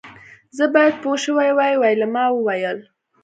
زه باید پوه شوې وای ویلما وویل